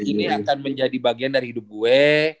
ini akan menjadi bagian dari hidup gue